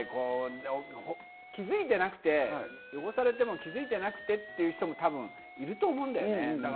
気づいてなくて、汚されても気づいてなくてっていう人もいると思うんだよね。